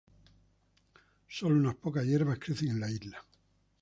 Solo unas pocas hierbas crecen en la isla.